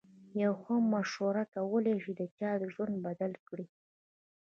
یوه ښه مشوره کولای شي د چا ژوند بدل کړي.